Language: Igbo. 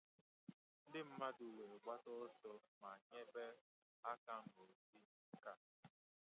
ndị mmadụ wee gbata ọsọ ma nyebe aka n'ụdị nke ha